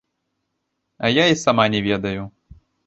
А я і сама не ведаю.